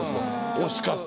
惜しかった。